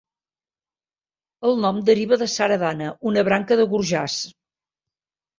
El nom deriva de Saradhana, una branca de Gurjars.